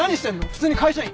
普通に会社員？